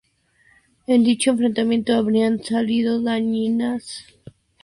En dicho enfrentamiento habrían salido dañados periodistas y civiles.